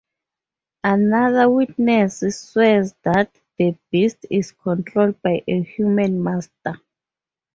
Another witness swears that the beast is controlled by a human master.